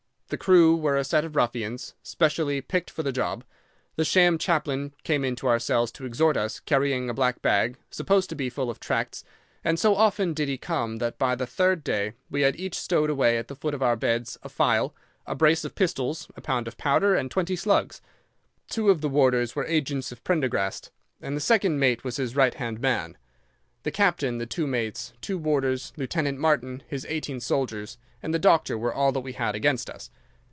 The crew were a set of ruffians, specially picked for the job. The sham chaplain came into our cells to exhort us, carrying a black bag, supposed to be full of tracts, and so often did he come that by the third day we had each stowed away at the foot of our beds a file, a brace of pistols, a pound of powder, and twenty slugs. Two of the warders were agents of Prendergast, and the second mate was his right hand man. The captain, the two mates, two warders, Lieutenant Martin, his eighteen soldiers, and the doctor were all that we had against us.